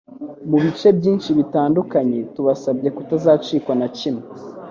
mu bice byinshi bitandukanye, tubasabye kutazacikwa na kimwe.